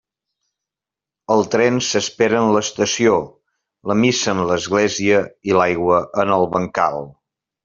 El tren s'espera en l'estació, la missa en l'església, i l'aigua en el bancal.